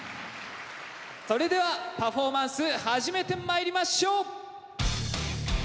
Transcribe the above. それではパフォーマンス始めてまいりましょう！